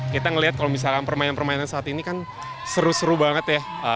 kita ngeliat kalau misalkan permainan permainan saat ini kan seru seru banget ya